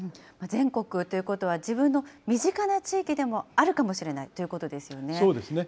全国ということは、自分の身近な地域でもあるかもしれないということですよね。